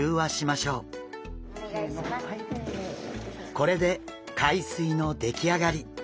これで海水の出来上がり！